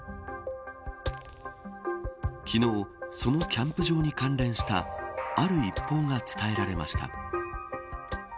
昨日、そのキャンプ場に関連したある一報が伝えられました。